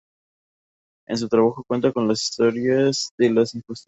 En su trabajo, cuenta las historias de las injusticias sociales que merecen ser contadas.